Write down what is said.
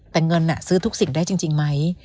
แต่เงินซื้อทุกสิ่งได้จริงไหม